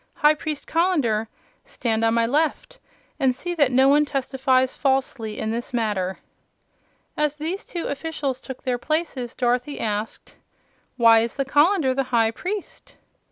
High Priest Colender, stand on my left and see that no one testifies falsely in this matter." As these two officials took their places, Dorothy asked: "Why is the colander the High Priest?"